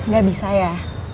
gak bisa ya